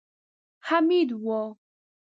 حميد و.